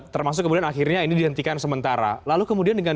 termasuk kemudian akhirnya ini dihentikan sementara lalu kemudian dengan